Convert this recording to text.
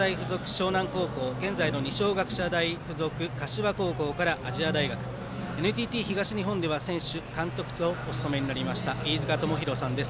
湘南高等学校現在の二松学舎大付属柏高校から亜細亜大学、ＮＴＴ東日本では選手、監督とお務めになりました飯塚智広さんです。